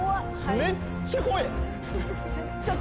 めっちゃ怖い。